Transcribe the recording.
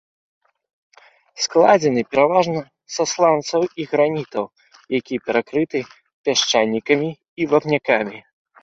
Складзены пераважна са сланцаў і гранітаў, якія перакрыты пясчанікамі і вапнякамі.